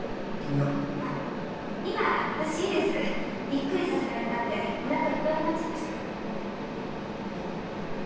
びっくりさせられたんでおなかいっぱいになっちゃいましたから。